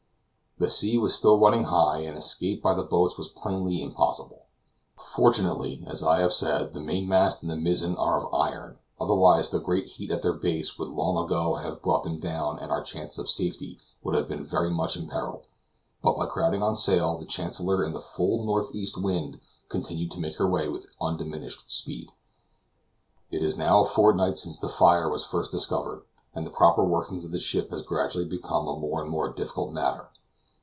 The sea was still running high, and escape by the boats was plainly impossible. Fortunately, as I have said, the mainmast and the mizzen are of iron; otherwise the great heat at their base would long ago have brought them down and our chances of safety would have been very much imperiled; but by crowding on sail the Chancellor in the full northeast wind continued to make her way with undiminished speed. It is now a fortnight since the fire was first discovered, and the proper working of the ship has gradually become a more and more difficult matter.